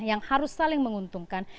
yang harus saling menguntungkan